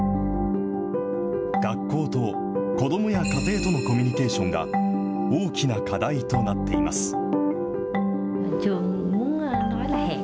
学校と子どもや家庭とのコミュニケーションが大きな課題となっています。